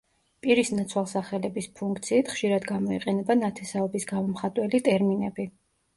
პირის ნაცვალსახელების ფუნქციით ხშირად გამოიყენება ნათესაობის გამომხატველი ტერმინები.